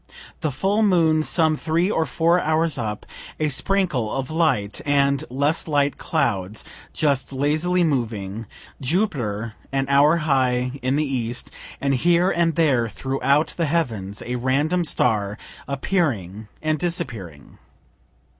The full moon, some three or four hours up a sprinkle of light and less light clouds just lazily moving Jupiter an hour high in the east, and here and there throughout the heavens a random star appearing and disappearing.